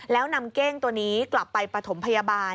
แล้วนำเก้งตัวนี้กลับไปปฐมพยาบาล